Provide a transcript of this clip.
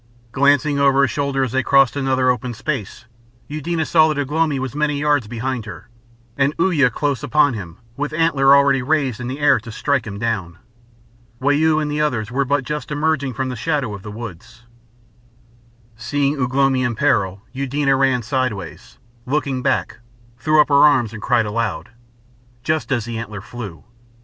Glancing over her shoulder as they crossed another open space, Eudena saw that Ugh lomi was many yards behind her, and Uya close upon him, with antler already raised in the air to strike him down. Wau and the others were but just emerging from the shadow of the woods. Seeing Ugh lomi in peril, Eudena ran sideways, looking back, threw up her arms and cried aloud, just as the antler flew.